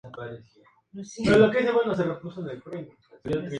La base del perfume es de madera de sándalo, vainilla y almizcle.